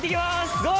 ゴール！